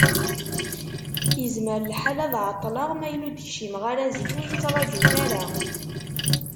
Yezmer lḥal ad ɛeṭṭleɣ, ma yella ur d-kcimeɣ ara zik, ur iyi-ttraǧut ara.